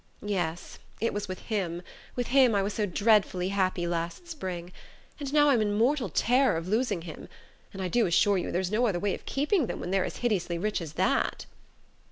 Yes, it was with him... with him I was so dreadfully happy last spring... and now I'm in mortal terror of losing him. And I do assure you there's no other way of keeping them, when they're as hideously rich as that!"